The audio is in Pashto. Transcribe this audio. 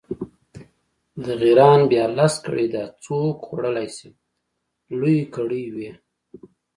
د غیراڼ بیا لس کړۍ، دا څوک خوړلی شي، لویې کړۍ وې.